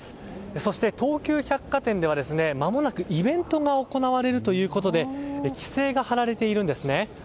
そして東急百貨店では、まもなくイベントが行われるということで規制が張られているんですね。